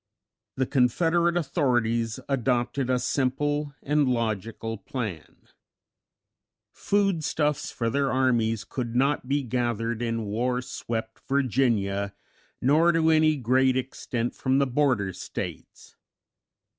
The Confederate authorities adopted a simple and logical plan. Foodstuffs for their armies could not be gathered in war swept Virginia, nor to any great extent from the border States.